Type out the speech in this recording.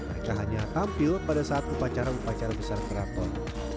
mereka hanya tampil pada saat upacara upacara besar keraton